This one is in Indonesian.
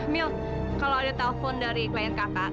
mil kalau ada telpon dari klien kakak